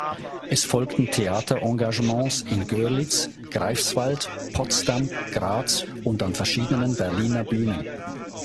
Es folgten Theaterengagements in Görlitz, Greifswald, Potsdam, Graz und an verschiedenen Berliner Bühnen.